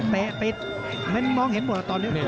เตะปิดมันมองเห็นหมดตอนนี้